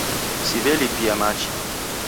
Siw'elipia machi